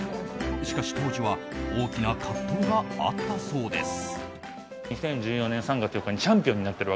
しかし当時は大きな葛藤があったそうです。